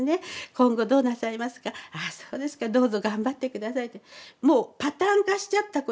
今後どうなさいますかああそうですかどうぞ頑張って下さいってもうパターン化しちゃったことを繰り返して言ってるんですよね